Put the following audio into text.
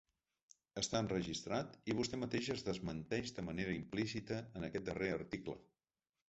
Està enregistrat i vostè mateix es desmenteix de manera implícita en aquest darrer article.